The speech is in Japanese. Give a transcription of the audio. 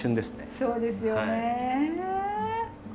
そうですよね。